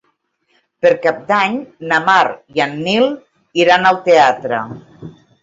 Per Cap d'Any na Mar i en Nil iran al teatre.